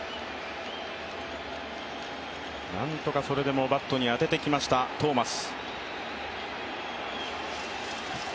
なんとかそれでもバットに当ててきました、トーマス。